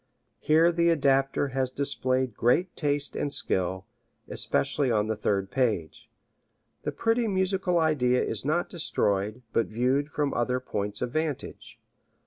Here the adapter has displayed great taste and skill, especially on the third page. The pretty musical idea is not destroyed, but viewed from other points of vantage.